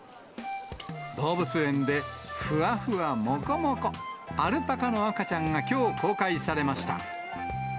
動物園でふわふわもこもこ、アルパカの赤ちゃんがきょう公開されました。